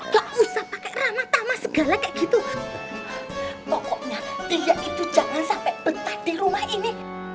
pokoknya dia itu jangan sampai bentar di rumah ini